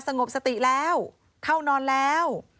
งบสติแล้วเข้านอนแล้ว